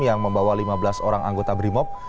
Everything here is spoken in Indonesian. yang membawa lima belas orang anggota brimob